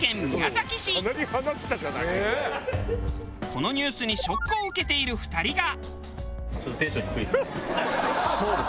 このニュースにショックを受けている２人が。